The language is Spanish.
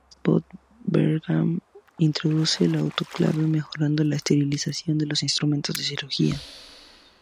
Ernst von Bergmann introduce el autoclave, mejorando la esterilización de los instrumentos de cirugía.